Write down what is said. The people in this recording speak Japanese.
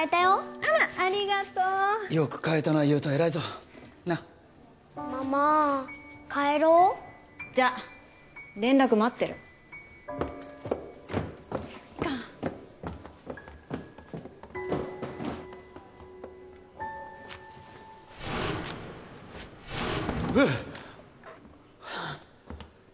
あらありがとうよく買えたな優人偉いぞなっママ帰ろうじゃあ連絡待ってる行こっうわ！